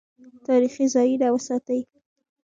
تاریخي ځایونه وساتئ